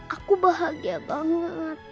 aku bahagia banget